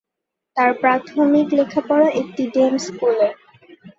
তার প্রাথমিক লেখাপড়া একটি ডেম স্কুলে।